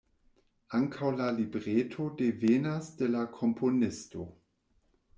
Ankaŭ la libreto devenas de la komponisto.